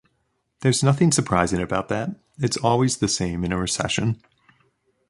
There’s nothing surprising about that; it’s always the same in a recession.